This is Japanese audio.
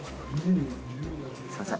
すいません。